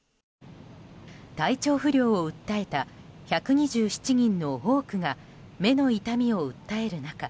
体調不良を訴えた１２７人の多くが目の痛みを訴える中